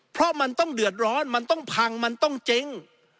เพราะมันต้องเดือดร้อนมันต้องพังมันต้องเจ๊ง